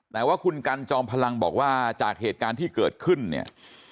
แต่ว่าคุณกันจอมพลังบอกว่าจากเหตุการณ์ที่เกิดขึ้นเนี่ย